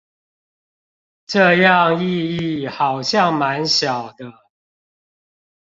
這樣意義好像滿小的